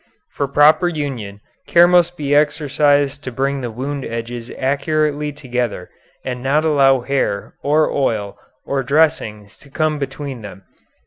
For proper union care must be exercised to bring the wound edges accurately together and not allow hair, or oil, or dressings to come between them.